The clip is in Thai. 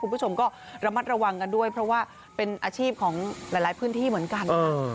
คุณผู้ชมก็ระมัดระวังกันด้วยเพราะว่าเป็นอาชีพของหลายพื้นที่เหมือนกันค่ะ